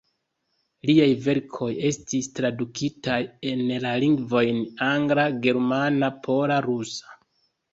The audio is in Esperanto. Liaj verkoj estis tradukitaj en la lingvojn angla, germana, pola, rusa.